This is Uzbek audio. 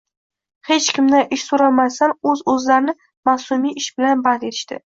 hech kimdan ish so‘ramasdan o‘z-o‘zlarini mavsumiy ish bilan band etishdi.